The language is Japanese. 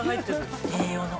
栄養の。